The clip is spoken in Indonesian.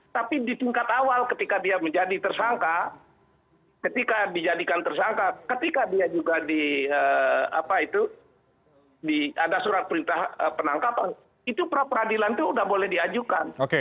tapi di tingkat awal ketika dia menjadi tersangka ketika dijadikan tersangka ketika dia juga ada surat perintah penangkapan itu pra peradilan itu sudah boleh diajukan